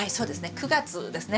９月ですね。